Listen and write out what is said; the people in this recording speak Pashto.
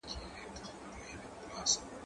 زه له سهاره لیکل کوم؟